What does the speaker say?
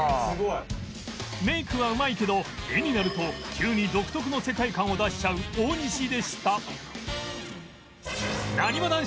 メイクはうまいけど絵になると急に独特の世界観を出しちゃう大西でした